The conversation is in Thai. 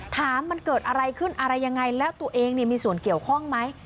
ถามมันเกิดอะไรขึ้นอะไรยังไงแล้วตัวเองมีส่วนเกี่ยวข้องไหม